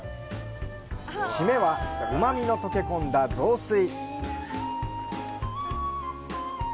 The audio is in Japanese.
締めは、うまみの溶け込んだ雑炊。